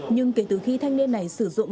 nhưng kể từ khi thanh niên này sử dụng